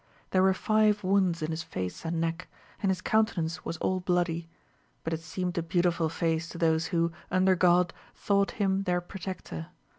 There were fin wounds in his face and neck, and his countenance wi all bloody; but it seemed a beautiful face to thos who, under God, thought him their protector.